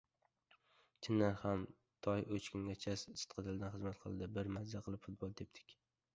Chindan ham Toy uch kungacha sidqidildan xizmat qildi. Biz maza qilib futbol tepdik.